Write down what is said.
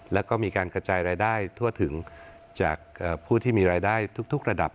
แล้วก็มีการกระจายรายได้ทั่วถึงจากผู้ที่มีรายได้ทุกระดับ